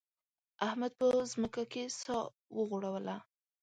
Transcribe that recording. احمد په ځمکه کې سا وغوړوله.